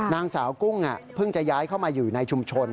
นางสาวกุ้งเพิ่งจะย้ายเข้ามาอยู่ในชุมชน